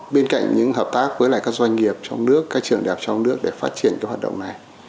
bên cạnh những hợp tác với các doanh nghiệp trong nước các trường đại học trong nước để phát triển cái hoạt động này